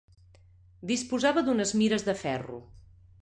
Disposava d'unes mires de ferro.